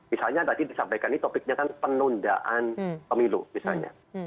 misalnya tadi disampaikan ini topiknya kan penundaan pemilu misalnya